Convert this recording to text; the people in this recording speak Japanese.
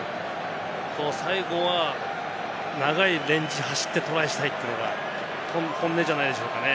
最後は長いレンジ走ってトライしたいというのが本音じゃないでしょうかね。